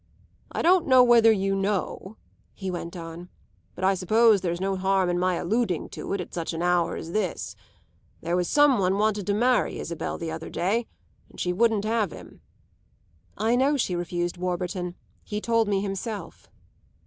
I don't know whether you know," he went on; "but I suppose there's no harm in my alluding to it at such an hour as this: there was some one wanted to marry Isabel the other day, and she wouldn't have him." "I know she refused Warburton: he told me himself."